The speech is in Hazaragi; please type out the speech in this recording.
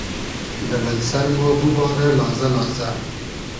دۂ بئل سئر مۉ بوبارۂ لازۂ لازۂ